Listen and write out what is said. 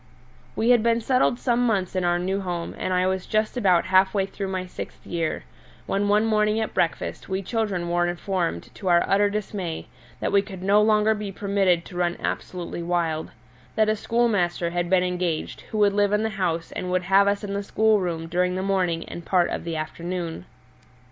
We had been settled some months in our new home, and I was just about half way through my sixth year, when one morning at breakfast we children were informed to our utter dismay that we could no longer be permitted to run absolutely wild; that a schoolmaster had been engaged who would live in the house and would have us in the schoolroom during the morning and part of the afternoon.